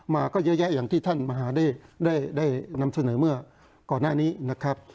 มาก็เยอะแยะอย่างที่ท่านมหาได้นำเสนอเมื่อก่อนหน้านี้นะครับ